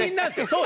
そう。